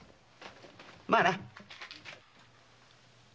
まあな。